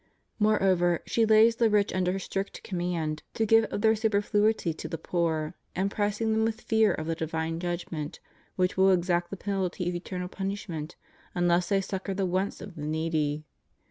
Moreover, she lays the rich under strict command to give of their superfluity to the poor, impressing them with fear of the divine judgment which will exact the penalty of eternal punishment unless they succor the wants of the need}